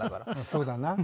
そうだな。